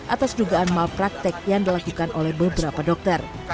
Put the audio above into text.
atas dugaan malpraktek yang dilakukan oleh beberapa dokter